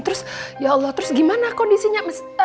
terus ya allah terus gimana kondisinya